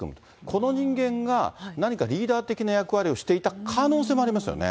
この人間が、何かリーダー的な役割をしていた可能性もありますよね。